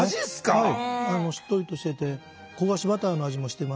はい。